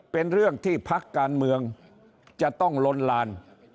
เป็นเรื่องที่พักการเมืองจะต้องลนลาน